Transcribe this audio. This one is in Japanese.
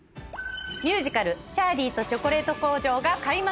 ミュージカル『チャーリーとチョコレート工場』が開幕します。